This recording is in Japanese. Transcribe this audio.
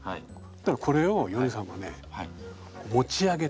これをヨネさんがね持ち上げて。